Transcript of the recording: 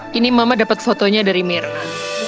kini mama dapet fotonya dari mirna